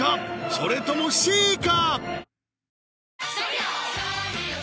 それともＣか？